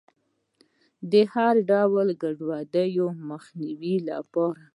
د هر ډول ګډوډیو د مخنیوي لپاره.